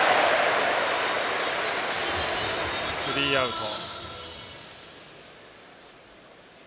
スリーアウト。